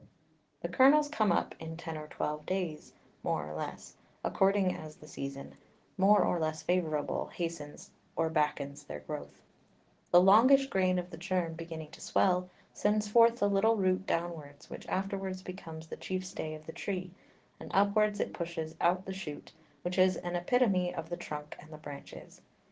The Kernels come up in ten or twelve Days, more or less, according as the Season, more or less favourable, hastens or backens their Growth: The longish Grain of the Germ beginning to swell, sends forth the little Root downwards, which afterwards becomes the chief Stay of the Tree, and upwards it pushes out the Shoot, which is an Epitomy of the Trunk and the Branches.